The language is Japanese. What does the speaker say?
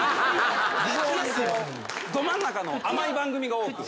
非常にど真ん中の甘い番組が多く。